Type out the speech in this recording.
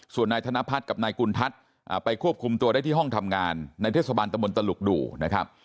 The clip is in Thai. ส่วนนายธนพัฒน์กับนายกุณทัศน์ไปควบคุมตัวได้ที่ห้องทำงานในเทศบาลตะมนตลุกดูนะครับ